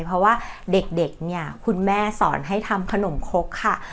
เพราะว่าเด็กเนี่ยคุณแม่สอนให้ทำขนมคกค่ะ